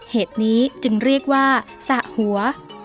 เหตุนี้จึงเรียกว่าสระหัว